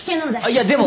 いやでも！